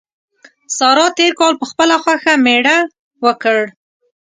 سارا تېر کال په خپله خوښه مېړه وکړ.